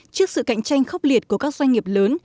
trước sự cạnh tranh khốc liệt của các doanh nghiệp lớn